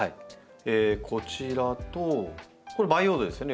こちらとこれ「培養土」ですよね。